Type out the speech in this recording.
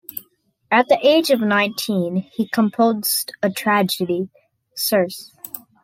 At the age of nineteen he composed a tragedy, "Circe".